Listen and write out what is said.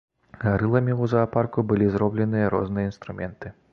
Гарыламі ў заапарку былі зробленыя розныя інструменты.